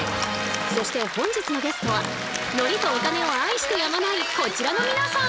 そして本日のゲストは海苔とお金を愛してやまないこちらの皆さん！